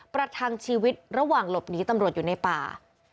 ประทังชีวิตระหว่างหลบหนีตำรวจอยู่ในป่า